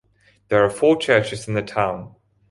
There are four churches in the town.